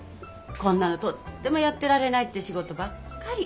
こんなのとってもやってられないって仕事ばっかり。